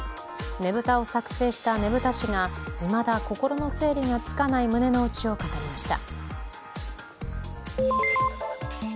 ねぶたを作成したねぶた師がいまだ心の整理がつかない胸の内を語りました。